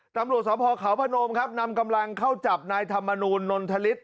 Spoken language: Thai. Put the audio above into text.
ตำรวจสภขาวพนมครับนำกำลังเข้าจับนายธรรมนูลนนทฤษ